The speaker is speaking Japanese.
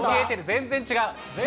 全然違う？